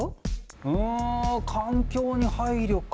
うん環境に配慮か。